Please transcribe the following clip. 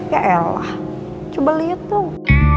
yaelah coba liat dong